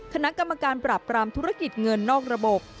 คณะกรรมการปราบปรามธุรกิจเงินนอกระบบ